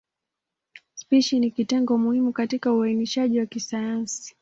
Spishi ni kitengo muhimu katika uainishaji wa kisayansi.